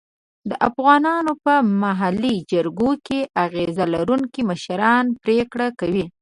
د افغانانو په محلي جرګو کې اغېز لرونکي مشران پرېکړه کوي.